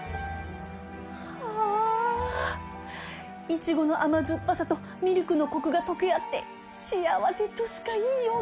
イチゴの甘酸っぱさとミルクのコクが溶け合って幸せとしか言いようがない！